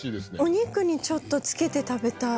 お肉にちょっとつけて食べたい。